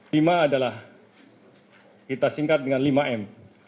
lima adalah kita singkat dengan lima m